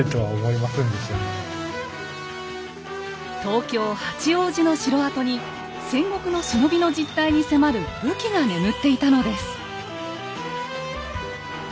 東京・八王子の城跡に戦国の忍びの実態に迫る武器が眠っていたのです。